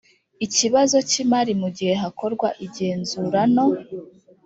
ikibazo cy imari mu gihe hakorwa igenzura no